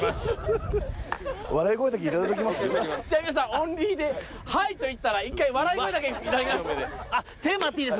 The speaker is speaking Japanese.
オンリーで「はい」と言ったら一回笑い声だけいただきます。